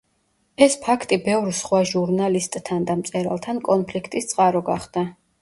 ეს ფაქტი ბევრ სხვა ჟურნალისტთან და მწერალთან კონფლიქტის წყარო გახდა.